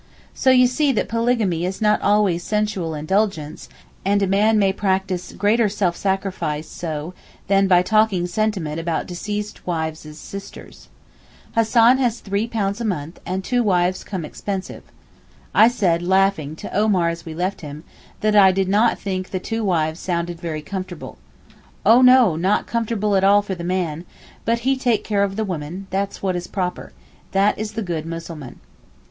So you see that polygamy is not always sensual indulgence, and a man may practise greater self sacrifice so than by talking sentiment about deceased wives' sisters. Hassan has £3 a month, and two wives come expensive. I said, laughing, to Omar as we left him, that I did not think the two wives sounded very comfortable. 'Oh no! not comfortable at all for the man, but he take care of the women, that's what is proper—that is the good Mussulman.